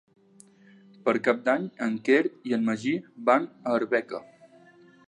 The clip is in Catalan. Per Cap d'Any en Quer i en Magí van a Arbeca.